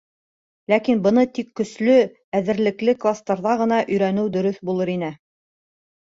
Ләкин быны тик көслө, әҙерлекле кластарҙа ғына өйрәнеү дөрөҫ булыр ине.